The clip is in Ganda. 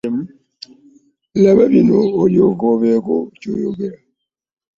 Laba bino olyoke obeeko ky'oyogera.